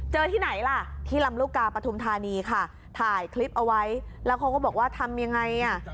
ที่ไหนล่ะที่ลำลูกกาปฐุมธานีค่ะถ่ายคลิปเอาไว้แล้วเขาก็บอกว่าทำยังไงอ่ะ